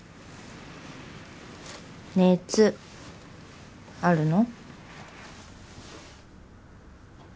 熱あるの？